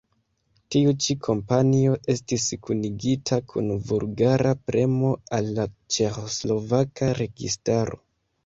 Tiu ĉi kampanjo estis kunigita kun vulgara premo al la ĉeĥoslovaka registaro.